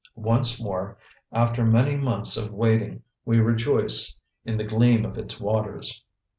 Once more, after many months of waiting we rejoice in the gleam of its waters.